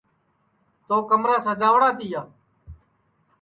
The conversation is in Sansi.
تو کمرا سجاوڑا تیا